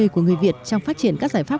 của người việt trong phát triển các giải pháp